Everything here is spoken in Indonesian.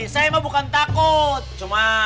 saya emang bukan takut cuma